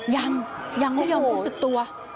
ยังยังยังพูดสึกตัว